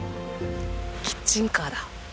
キッチンカーだ！